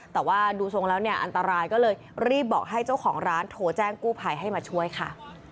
แต่ว่าดูทรงแล้วเนี่ยอันตรายก็เลยรีบบอกให้เจ้าของร้านโทรแจ้งกู้ภัยให้มาช่วยค่ะ